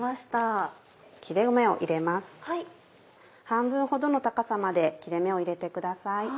半分ほどの高さまで切れ目を入れてください。